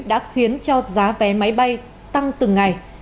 đã khiến cho giá vé máy bay tăng từng ngày